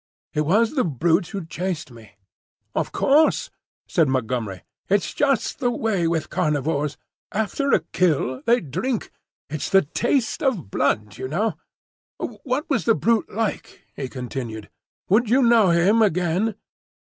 "It was the brute who chased me." "Of course," said Montgomery; "it's just the way with carnivores. After a kill, they drink. It's the taste of blood, you know.—What was the brute like?" he continued. "Would you know him again?"